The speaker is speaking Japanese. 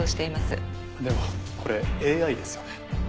でもこれＡＩですよね？